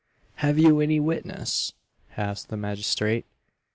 "Have you any witness?" asked the magistrate.